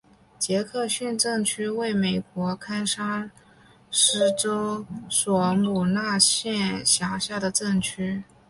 杰克逊镇区为美国堪萨斯州索姆奈县辖下的镇区。